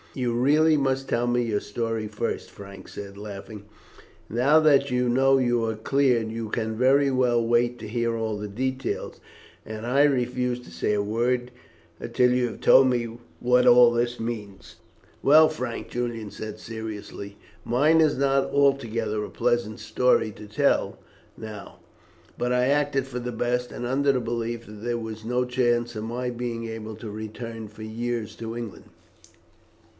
"You really must tell me your story first," Frank said, laughing. "Now that you know you are cleared, you can very well wait to hear all the details, and I refuse to say a word until you have told me what all this means." "Well, Frank," Julian said seriously, "mine is not altogether a pleasant story to tell now; but I acted for the best, and under the belief that there was no chance of my being able to return for years to England.